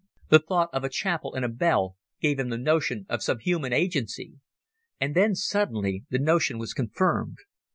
The thought of a chapel and a bell gave him the notion of some human agency. And then suddenly the notion was confirmed.